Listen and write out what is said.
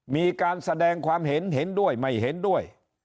มีการแสดงความเห็นเห็นด้วยไม่เห็นด้วย